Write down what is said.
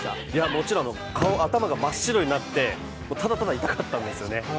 もちろん頭が真っ白になってただただ痛かったんですよね。